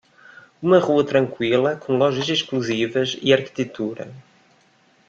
Uma rua tranquila com lojas exclusivas e arquitetura.